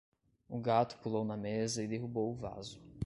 O gato pulou na mesa e derrubou o vaso.